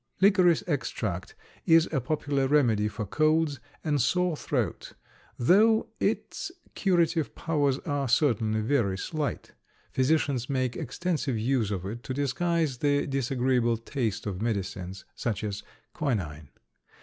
Licorice extract is a popular remedy for colds and sore throat, though its curative powers are certainly very slight. Physicians make extensive use of it to disguise the disagreeable taste of medicines, such as quinine.